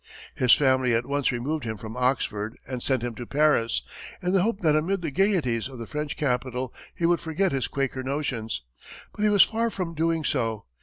His family at once removed him from Oxford and sent him to Paris, in the hope that amid the gayeties of the French capital he would forget his Quaker notions, but he was far from doing so.